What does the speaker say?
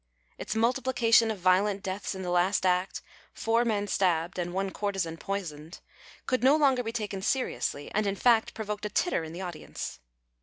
Its multiplication of violent deaths in the last act (four men stabbed and one courtesan poisoned) could no longer be taken seriously, and, in fact, provoked a titter in the audience.